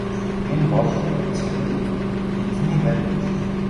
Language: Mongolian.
Энэ бол цэвэр Эзэний маань мэдэх хэрэг.